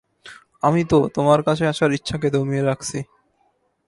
আমি তো, তোমার কাছে আসার ইচ্ছাকে দমিয়ে রাখছি।